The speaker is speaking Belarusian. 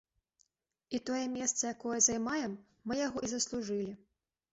І тое месца, якое займаем, мы яго і заслужылі.